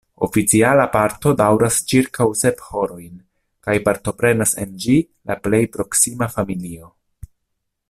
Oficiala parto daŭras ĉirkaŭ sep horojn kaj partoprenas en ĝi la plej proksima familio.